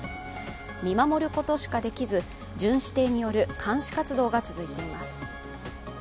見守ることしかできず、巡視艇による監視活動が続いています。